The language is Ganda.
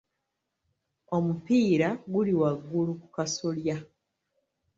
Omupiira guli waggulu ku kasolya.